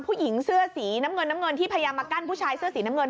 ผู้หญิงเสื้อสีน้ำเงินน้ำเงินที่พยายามมากั้นผู้ชายเสื้อสีน้ำเงิน